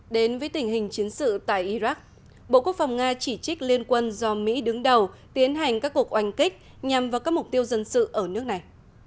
đến với tình hình chiến sự tại iraq bộ quốc phòng nga chỉ trích liên quân do mỹ đứng đầu tiến hành các cuộc oanh kích nhằm vào các mục tiêu dân sự ở nước này